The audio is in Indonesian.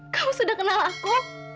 kamu sudah kenal aku